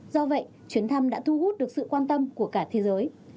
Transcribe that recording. do vậy chuyến thăm đã thu hút được sự quan tâm của cả thế giới